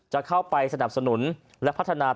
จะเข้าไปสนับสนุนและพัฒนา